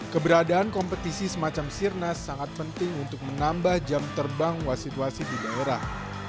keberadaan kompetisi semacam sirnas sangat penting untuk menambah jam terbang wasit wasi di daerah